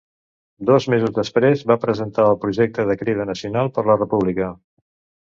Dos mesos després va presentar el projecte de Crida Nacional per la República.